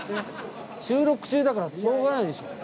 収録中だからしょうがないでしょ。